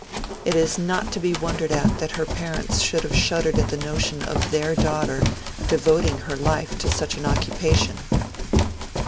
It is not to be wondered at that her parents should have shuddered at the notion of their daughter devoting her life to such an occupation.